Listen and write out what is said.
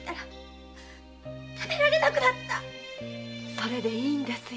それでいいんですよ。